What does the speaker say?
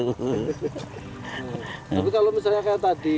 tapi kalau misalnya kayak tadi